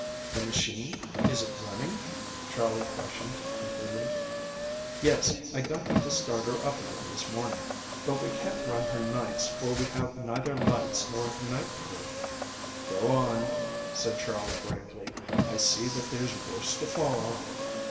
"The machine, is it running?" Charley questioned eagerly. "Yes, I got them to start her up again this morning. But we can't run her nights for we have neither lights nor a night crew." "Go on," said Charley gravely. "I see that there's worse to follow."